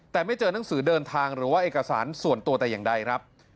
แต่ไม่เจอหนังสือเดินทางหรือว่าเอกสารส่วนตัวแต่อย่างใดครับ